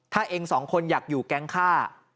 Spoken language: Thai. ถ้าเองสองคนอยากอยู่แก๊งฆ่า